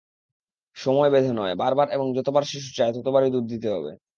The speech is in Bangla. সময় বেঁধে নয়, বারবার এবং যতবার শিশু চায়, ততবারই দুধ দিতে হবে।